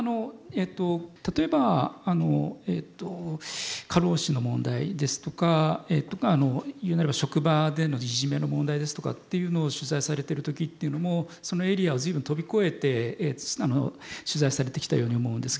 例えば過労死の問題ですとか言うなれば職場でのいじめの問題ですとかっていうのを取材されてる時っていうのもそのエリアを随分飛び越えて取材されてきたように思うんですけど。